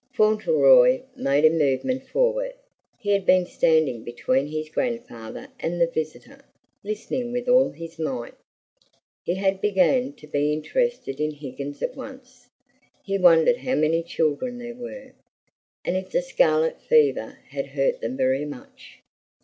Fauntleroy made a movement forward. He had been standing between his grandfather and the visitor, listening with all his might. He had begun to be interested in Higgins at once. He wondered how many children there were, and if the scarlet fever had hurt them very much.